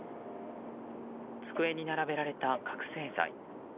机に並べられた覚醒剤。